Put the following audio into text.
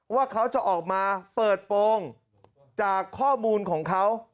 ว่าเขาจะออกมาเปิดโปรงจากข้อมูลของเขา